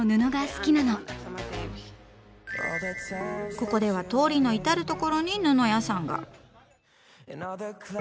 ここでは通りのいたるところに布屋さんが！